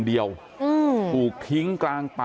เพื่อนบ้านเจ้าหน้าที่อำรวจกู้ภัย